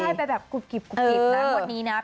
ได้ไปแบบกุบกิบกุบกิบนะครับ